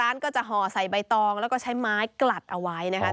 ท้านร้านก็จะหอใส่น้ำตะวันใส่ใบตองและก็ใช้ไม้กระแต่ลงไปกระเอาไว้